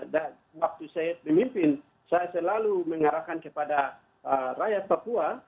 waktu saya memimpin saya selalu mengarahkan kepada rakyat papua